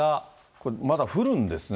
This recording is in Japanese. これまだ降るんですね、